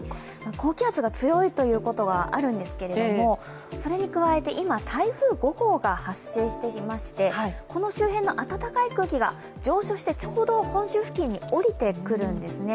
高気圧が強いということはあるんですけれども、それに加えて今、台風５号が発生していましてこの周辺の暖かい空気が上昇してちょうど本州付近に降りてくるんですね。